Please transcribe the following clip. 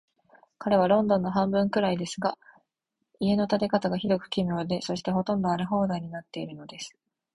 街はロンドンの半分くらいですが、家の建て方が、ひどく奇妙で、そして、ほとんど荒れ放題になっているのです。